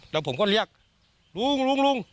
แล้วผมก็เรียกลุงลุง